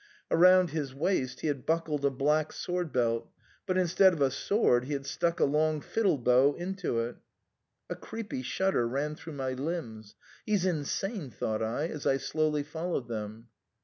Around his waist he had buckled a black sword belt ; but instead of a sword he had stuck a long fiddle bow into it. A creepy shudder ran through my limbs :" He's insane," thought I, as I slowly followed them.